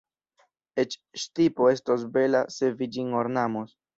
Eĉ ŝtipo estos bela, se vi ĝin ornamos.